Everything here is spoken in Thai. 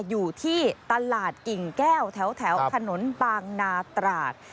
อยู่ที่ตลาดกิ่งแก้วแถวถนนบางนาตราด